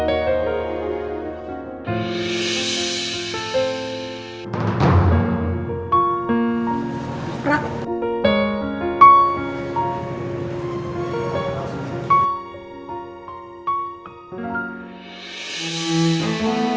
lalu bapak disakiti dulu